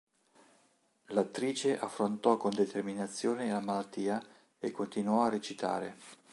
L'attrice affrontò con determinazione la malattia e continuò a recitare.